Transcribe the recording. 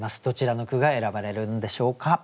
どちらの句が選ばれるんでしょうか。